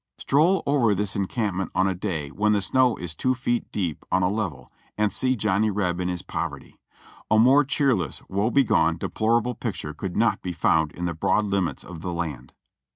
Stroll over this encampment on a clay when the snow is two feet deep on a level, and see Johnny Reb in his poverty. A more cheerless, v^^oe begone, deplorable picture could not be found in the broad limits of the land.